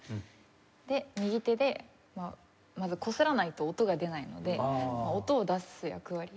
で右手でまずこすらないと音が出ないので音を出す役割。